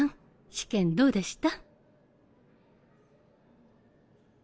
試験どうでした？